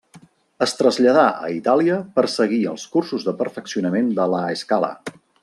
Es traslladà a Itàlia per seguir els cursos de perfeccionament de La Scala.